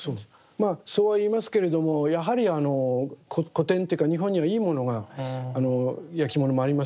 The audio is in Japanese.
まあそうは言いますけれどもやはり古典というか日本にはいいものがやきものもあります